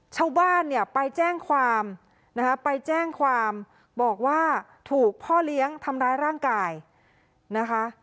ชาวบ้านเนี่ยไปแจ้งความนะคะไปแจ้งความบอกว่าถูกพ่อเลี้ยงทำร้ายร่างกายนะคะ